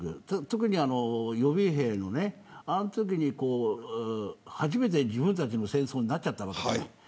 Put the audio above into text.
特に予備兵のあのときに初めて自分たちの戦争になっちゃったわけだから。